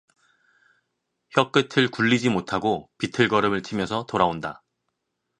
혀끝을 굴리지 못하고 비틀걸음을 치면서 들어온다.